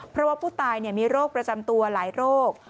เพราะว่าผู้ตายมีโรคประจำตัวหลายโรค